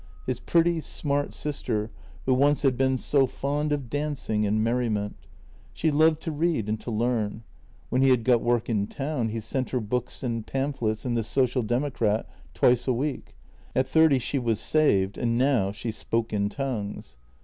His pretty, smart sister who once had been so fond of danc ing and merriment. She loved to read and to learn; when he had got work in town he sent her books and pamphlets and the Social Democrat twice a week. At thirty she was " saved," and now she " spoke in tongues."